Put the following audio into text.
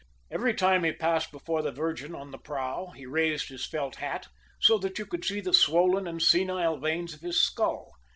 Every time he passed before the Virgin on the prow, he raised his felt hat, so that you could see the swollen and senile veins of his skull.